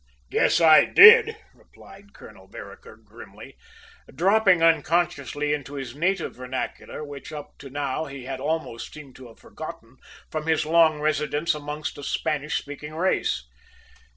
"Guess I did!" replied Colonel Vereker grimly, dropping unconsciously into his native vernacular, which up to now he had almost seemed to have forgotten from his long residence amongst a Spanish speaking race.